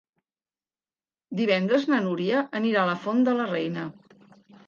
Divendres na Núria anirà a la Font de la Reina.